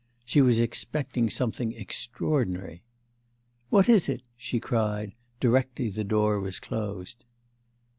She was expecting something extraordinary. 'What is it?' she cried, directly the door was closed.